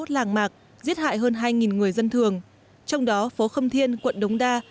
làng mạc giết hại hơn hai người dân thường trong đó phố khâm thiên quận đống đa